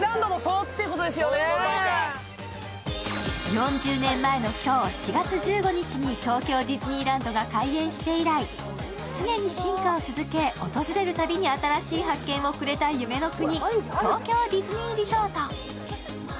４０年前の今日、４月１５日に東京ディズニーランドが開園して以来、常に進化を続け、訪れるたびに新しい発見をくれた夢の国・東京ディズニーリゾート。